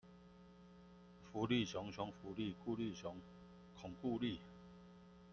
福利熊，熊福利，顧立雄，恐固力